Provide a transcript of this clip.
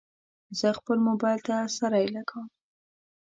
زه خپل موبایل ته سرۍ لګوم.